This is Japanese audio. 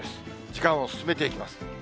時間を進めていきます。